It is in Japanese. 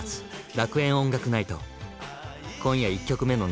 楽園音楽ナイト！